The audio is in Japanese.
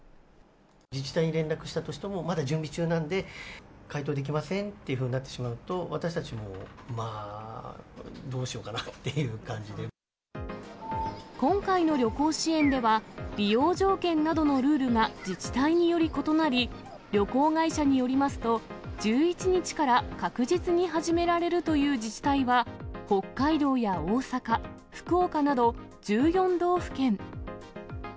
自治体に連絡したとしても、まだ準備中なんで、回答できませんっていうふうになってしまうと私たちも、まあ、今回の旅行支援では、利用条件などのルールが自治体により異なり、旅行会社によりますと、１１日から確実に始められるという自治体は、北海道や大阪、福岡など、１４道府県。